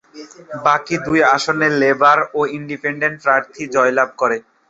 বাকি দুটি আসনে লেবার ও ইন্ডিপেন্ডেন্ট প্রার্থী জয়লাভ করে।